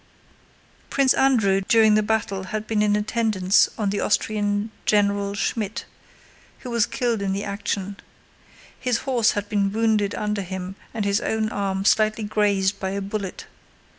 Prince Andrew during the battle had been in attendance on the Austrian General Schmidt, who was killed in the action. His horse had been wounded under him and his own arm slightly grazed by a bullet.